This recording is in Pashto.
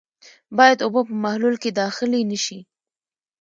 باید اوبه په محلول کې داخلې نه شي.